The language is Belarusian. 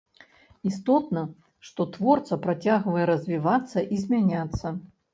Істотна, што творца працягвае развівацца і змяняцца.